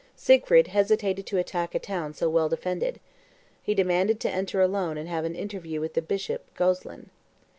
Siegfried hesitated to attack a town so well defended. He demanded to enter alone and have an interview with the bishop, Gozlin.